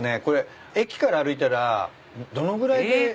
これ駅から歩いたらどのぐらいで。